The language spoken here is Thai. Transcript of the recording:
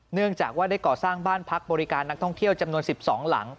เนื่องจากว่าได้ก่อสร้างบ้านพักบริการนักท่องเที่ยวจำนวน๑๒หลัง